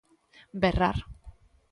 Berrar.